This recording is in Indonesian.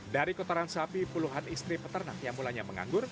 dari kotoran sapi puluhan istri peternak yang mulanya menganggur